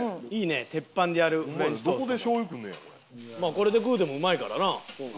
これで食うてもうまいからな。